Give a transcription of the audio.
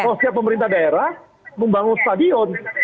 soalnya pemerintah daerah membangun stadion